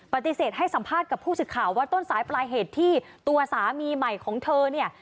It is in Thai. ปฏิเสธให้สัมภาษณ์กับผู้สื่อข่าวว่าต้นสายปลายเหตุที่ตัวสามีใหม่ของเธอเนี่ย